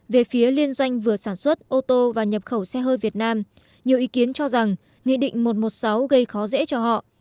về phía liên doanh vừa sản xuất ô tô và nhập khẩu xe hơi việt nam nhiều ý kiến cho rằng nghị định một trăm một mươi sáu gây khó dễ cho họ